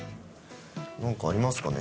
何かありますかね？